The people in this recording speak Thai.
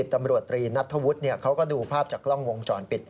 ตำรวจตรีนัทธวุฒิเขาก็ดูภาพจากกล้องวงจรปิด